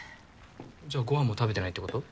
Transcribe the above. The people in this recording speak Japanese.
じゃあご飯も食べてないってこと？